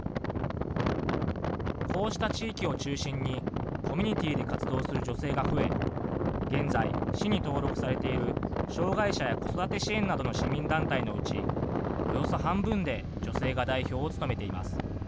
こうした地域を中心にコミュニティーで活動する女性が増え、現在、市に登録されている障害者や子育て支援などの市民団体のうちおよそ半分で女性が代表を務めています。